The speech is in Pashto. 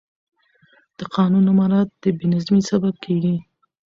د قانون نه مراعت د بې نظمي سبب کېږي